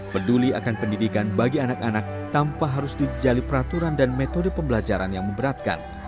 peduli akan pendidikan bagi anak anak tanpa harus dijali peraturan dan metode pembelajaran yang memberatkan